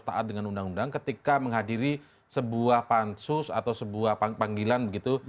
taat dengan undang undang ketika menghadiri sebuah pansus atau sebuah panggilan begitu